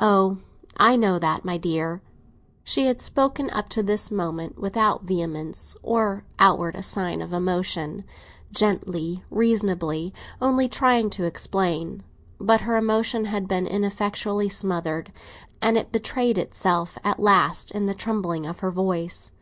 "Oh, I know that, my dear!" She had spoken up to this moment without vehemence or outward sign of emotion, gently, reasoningly, only trying to explain. But her emotion had been ineffectually smothered, and it betrayed itself at last in the trembling of her voice.